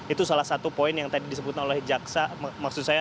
itu salah satu poin yang tadi disebutkan